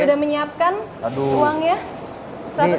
yes udah menyiapkan uangnya